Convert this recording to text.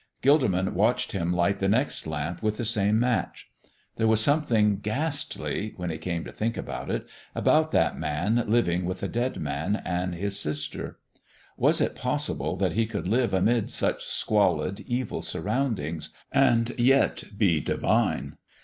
Gilderman watched him light the next lamp with the same match. There was something ghastly, when he came to think of it, about that Man living with the dead man and his sisters. Was it possible that He could live amid such squalid, evil surroundings, and yet be divine?